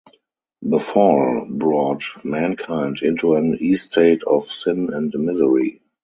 The fall brought mankind into an estate of sin and misery.